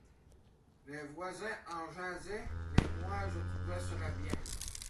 Les voisins en jasaient, mais moi, je trouvais cela bien.